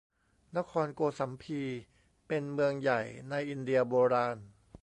นครโกสัมพี เป็นเมืองใหญ่ในอินเดียโบราณ